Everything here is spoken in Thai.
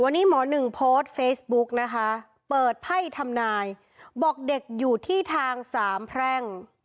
วันนี้หมอหนึ่งโพสต์เฟซบุ๊กนะคะเปิดไพ่ทำนายบอกเด็กอยู่ที่ทางสามแพร่ง